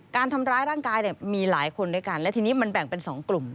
การทำร้ายร่างกายเนี่ยมีหลายคนด้วยกันและทีนี้มันแบ่งเป็น๒กลุ่ม